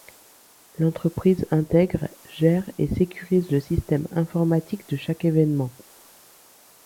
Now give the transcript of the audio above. L'entreprise intègre, gère et sécurise le système informatique de chaque événement.